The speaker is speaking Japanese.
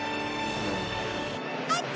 あっち！